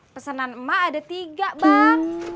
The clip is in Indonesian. pesanan emak ada tiga bang